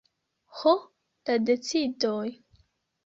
Ho, la decidoj!